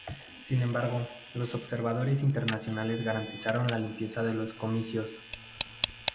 Sin embargo, los observadores internacionales garantizaron la limpieza de los comicios.